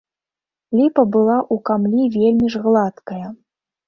Ліпа была ў камлі вельмі ж гладкая.